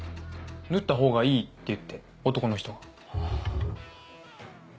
「縫ったほうがいい」って言って男の人が。